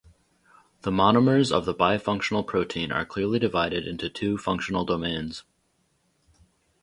The monomers of the bifunctional protein are clearly divided into two functional domains.